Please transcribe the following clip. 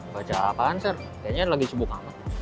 baca apaan sir kayaknya lagi cembuk amat